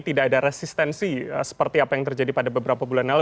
tidak ada resistensi seperti apa yang terjadi pada beberapa bulan lalu